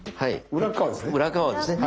裏側ですね。